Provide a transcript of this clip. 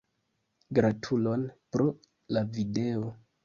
Gratulon, pro la video.